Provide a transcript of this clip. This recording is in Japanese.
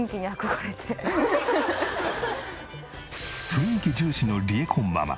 雰囲気重視のりえこママ。